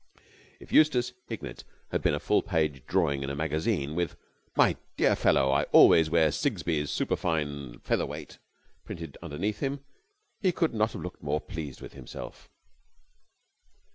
If Eustace Hignett had been a full page drawing in a magazine with "My dear fellow, I always wear Sigsbee's Superfine Featherweight!" printed underneath him, he could not have looked more pleased with himself.